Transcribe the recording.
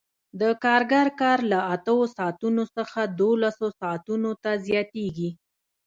د کارګر کار له اتو ساعتونو څخه دولسو ساعتونو ته زیاتېږي